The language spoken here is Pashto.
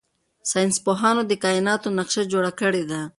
ساینس پوهانو د کائناتو نقشه جوړه کړې ده.